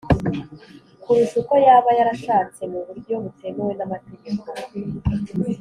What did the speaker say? kurusha uko yaba yarashatse mu buryo butemewe n’amategeko.